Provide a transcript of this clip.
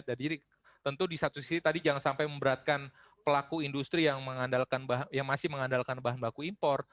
jadi tentu di satu sisi tadi jangan sampai memberatkan pelaku industri yang masih mengandalkan bahan baku impor